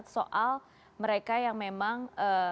soal mereka yang memang